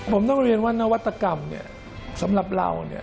ผมต้องเรียนว่านวัตกรรมสำหรับเรา